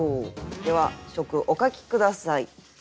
では初句お書き下さい。